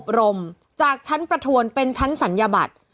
รมจากชั้นประทวนเป็นชั้นศัลยบัตร